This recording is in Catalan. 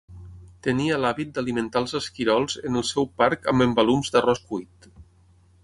Tenia l'hàbit d'alimentar els esquirols en el seu parc amb embalums d'arròs cuit.